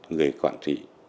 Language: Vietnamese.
người quản trị